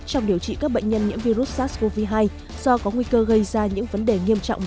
trong điều trị các bệnh nhân nhiễm virus sars cov hai do có nguy cơ gây ra những vấn đề nghiêm trọng